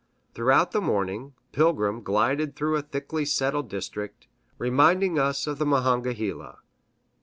Throughout the morning, Pilgrim glided through a thickly settled district, reminding us of the Monongahela.